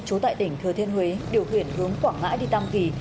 trú tại tỉnh thừa thiên huế điều khiển hướng quảng ngãi đi tam kỳ